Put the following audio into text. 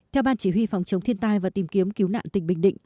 theo ban chỉ huy phòng chống thiên tai và tìm kiếm cứu nạn tỉnh bình định